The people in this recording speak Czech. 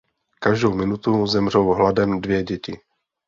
Každou minutu zemřou hladem dvě děti.